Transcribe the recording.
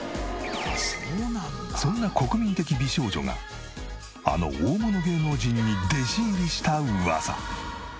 そんな国民的美少女があの大物芸能人に弟子入りした噂。